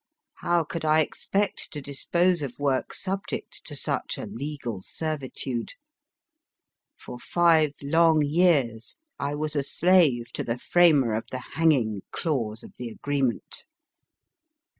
How could I expect to dispose of work subject to such a legal servitude ? For five long years I was a slave to the framer of the hanging clause of the agreement.